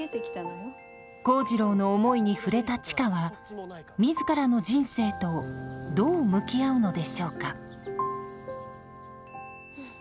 幸次郎の思いに触れた知花は自らの人生とどう向き合うのでしょうか。